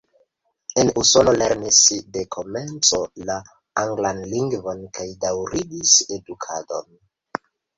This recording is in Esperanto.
En Usono lernis de komenco la anglan lingvon kaj daŭrigis edukadon.